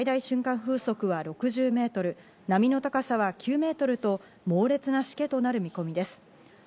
風速は６０メートル、波の高さは９ｍと猛烈なしけとなる見込みです。